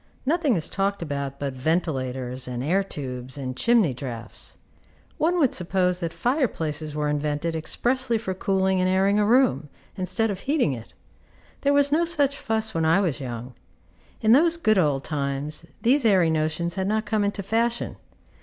Nothing is talked about but ventilators, and air tubes, and chimney draughts. One would suppose that fire places were invented expressly for cooling and airing a room, instead of heating it. There was no such fuss when I was young; in those good old times these airy notions had not come into fashion.